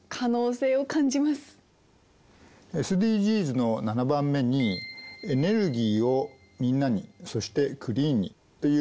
ＳＤＧｓの７番目に「エネルギーをみんなにそしてクリーンに」というのがあります。